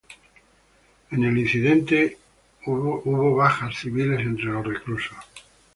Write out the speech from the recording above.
En el incidente hubieron bajas civiles entre los reclusos.